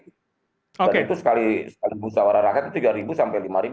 dan itu sekali musawarah rakyat itu tiga sampai lima